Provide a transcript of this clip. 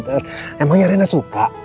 emangnya rena suka